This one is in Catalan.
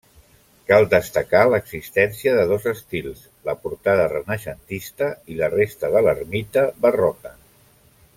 Cal destacar l'existència de dos estils: la portada, renaixentista i la resta de l'ermita, barroca.